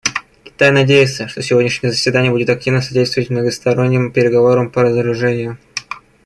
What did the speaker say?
Китай надеется, что сегодняшнее заседание будет активно содействовать многосторонним переговорам по разоружению.